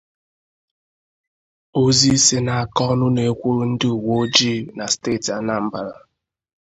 Ozi si n'aka ọnụ na-ekwuru ndị uwe ojii na steeti Anambra